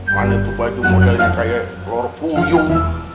mane tuh baju modelnya kaya lor puyuk